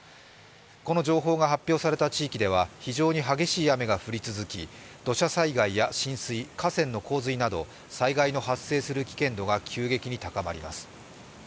この情報が発表された地域では非常に激しい雨が降り続き土砂災害や浸水、河川の洪水など災害の発生する危険度が急激に高まります。